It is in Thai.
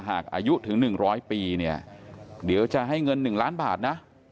หากอายุถึงหนึ่งร้อยปีเนี่ยเดี๋ยวจะให้เงินหนึ่งล้านบาทนะ